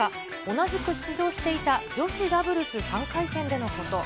同じく出場していた女子ダブルス３回戦でのこと。